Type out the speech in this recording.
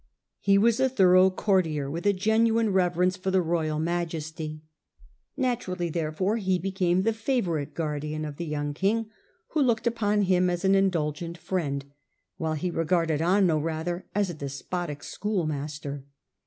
He was a thorough courtier with a genuine reverence for the royal majesty; naturally, therefore, he became the favourite guardian of the young king, who looked upon him as an indulgent friend, while he regarded Anno rather as a despotic schoolmaster.